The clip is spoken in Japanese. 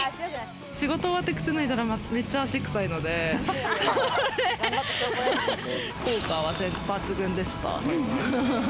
仕事終わって靴脱いだらめっちゃ足臭いので、効果は抜群でした。